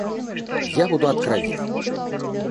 Я буду откровенен.